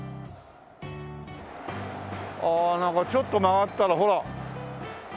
ああなんかちょっと曲がったらほら。